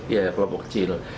iya kelompok kecil